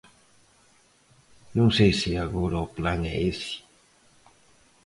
Non sei se agora o plan é ese.